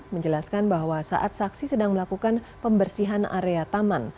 menjelaskan bahwa saat saksi sedang melakukan pembersihan area taman